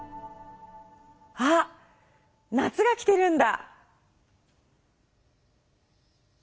あ！夏が来てるんだ！